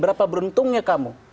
berapa beruntungnya kamu